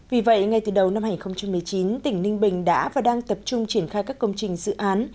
vì vậy ngay từ đầu năm hai nghìn một mươi chín tỉnh ninh bình đã và đang tập trung triển khai các công trình dự án